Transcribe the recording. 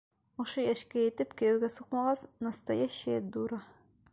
Ошо йәшкә етеп кейәүгә сыҡмағас, настоящая дура!